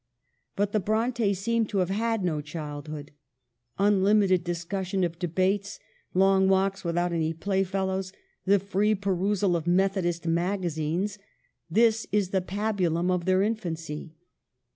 But the Brontes seem to have had no childhood ; unlimited discussion of de bates, long walks without any playfellows, the free perusal of Methodist magazines, this is the pabulum of their infancy.